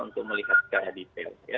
untuk melihat secara detail